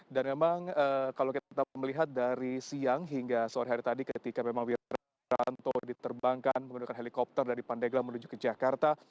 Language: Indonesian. dan memang kalau kita melihat dari siang hingga sore hari tadi ketika memang wiranto diterbangkan memiliki helikopter dari pandegla menuju ke jakarta